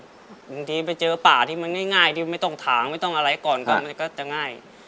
บางทีไปเจอป่าที่มันง่ายที่ไม่ต้องถางไม่ต้องอะไรก่อนก็มันก็จะง่าย